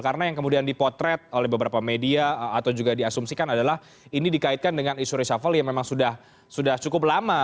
karena yang kemudian dipotret oleh beberapa media atau juga diasumsikan adalah ini dikaitkan dengan isu resapel yang memang sudah cukup lama